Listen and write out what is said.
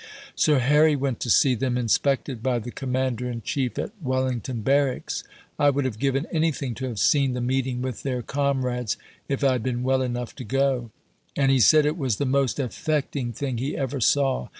Sir Harry went to see them inspected by the Commander in Chief at Wellington Barracks. (I would have given anything to have seen the Meeting with their comrades if I had been well enough to go.) And he said it was the most affecting thing he ever saw.